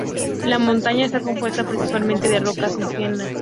La montaña está compuesta principalmente de rocas ígneas.